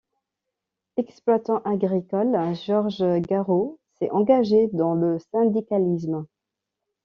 Exploitant agricole, Georges Garot s'est engagé dans le syndicalisme.